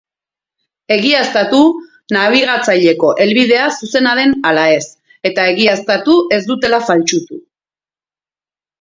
Egiaztatu nabigatzaileko helbidea zuzena den ala ez eta egiaztatu ez dutela faltsutu.